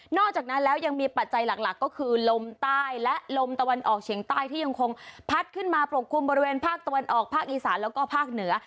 อกจากนั้นแล้วยังมีปัจจัยหลักก็คือลมใต้และลมตะวันออกเฉียงใต้ที่ยังคงพัดขึ้นมาปกคลุมบริเวณภาคตะวันออกภาคอีสานแล้วก็ภาคเหนือ